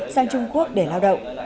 sang trung quốc để lao động